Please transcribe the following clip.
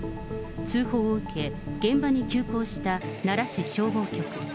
通報を受け、現場に急行した奈良市消防局。